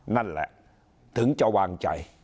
นั่นแหละถึงจะวางใจ